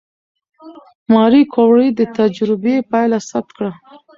ماري کوري د تجربې پایله ثبت کړه.